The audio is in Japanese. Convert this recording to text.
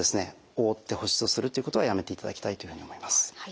覆って保湿するっていうことはやめていただきたいというふうに思います。